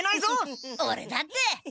オレだって！